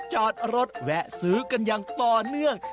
จอดรถแวะซื้อกันอย่างต่อเนื่อง